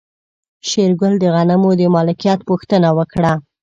شېرګل د غنمو د مالکيت پوښتنه وکړه.